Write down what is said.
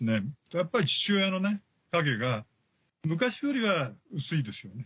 やっぱり父親の影が昔よりは薄いですよね。